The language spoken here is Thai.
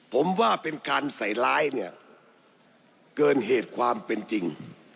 ผมว่าเป็นการใส่ร้ายเนี่ยเกินเหตุความเป็นจริง